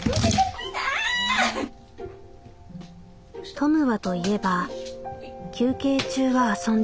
「トムはといえば休憩中は遊んでほしい。